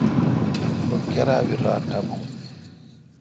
رو کیرا بھ ران نہ بھو۔